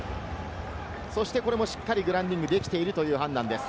これもしっかりグラウンディングできているという判断です。